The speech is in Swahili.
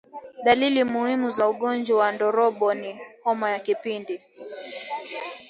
Dalili muhimu za ugonjwa wa ndorobo ni homa ya vipindi